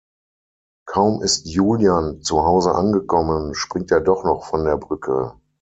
Kaum ist Julian zu Hause angekommen, springt er doch noch von der Brücke.